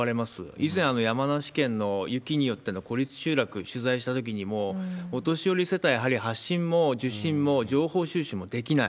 依然、山梨県の雪によっての孤立集落、取材したときにも、もうお年寄り世帯、やはり発信も受信も情報収集もできない。